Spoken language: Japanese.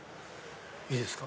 いいですか？